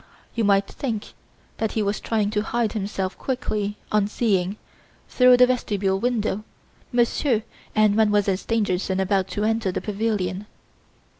"You might think that he was trying to hide himself quickly on seeing, through the vestibule window, Monsieur and Mademoiselle Stangerson about to enter the pavilion.